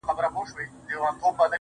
تاته سلام په دواړو لاسو كوم.